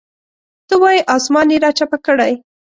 ته وایې اسمان یې راچپه کړی.